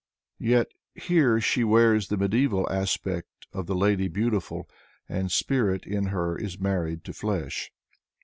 Yet here she wears the medieval aspect of the Lady Beautiful, and spirit in her is married to flesh.